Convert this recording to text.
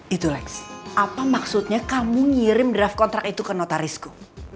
itu lex apa maksudnya kamu ngirim draft kontrak itu ke notarisku